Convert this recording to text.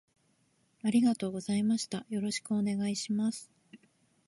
ありがとうございましたよろしくお願いします